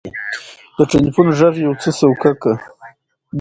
یوټوبر دې د خلکو احساسات ونه کاروي.